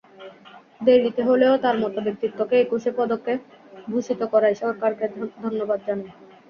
দেরিতে হলেও তাঁর মতো ব্যক্তিত্বকে একুশে পদকে ভূষিত করায় সরকারকে ধন্যবাদ জানাই।